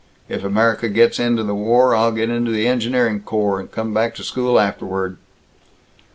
If America gets into the war, I'll get into the engineering corps, and come back to school afterward."